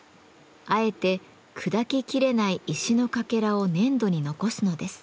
あえて砕ききれない石のかけらを粘土に残すのです。